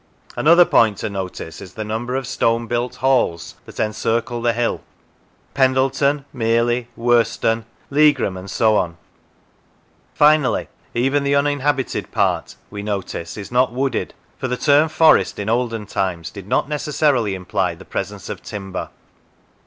Another point to notice is the number of stone built halls that en circle the hill Pendleton, Mearley, Worston, Lea gram, and so on. Finally, even the uninhabited part, we notice, is not wooded, for the term forest in olden times did not necessarily imply the presence of timber.